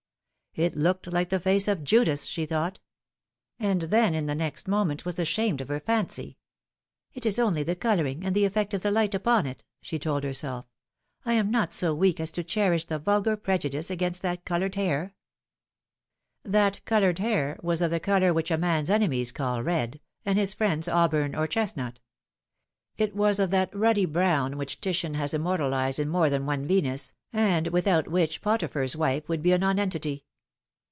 It looked like the face of Judas, she thought ; and then in the next moment was ashamed of her fancy. " It is only the colouring, and the effect of the light upon it," she told herself. " I am not so weak as to cherish the vulgar prejudice against that coloured hair." "That coloured hair" was of the colour which a man's enemies call red and his friends auburn or chestnut. It was of 80 The Fatal Three. that ruddy brown which Titian has immortalised in more than one Venus, and without which Potiphar's wife would be a nonentity.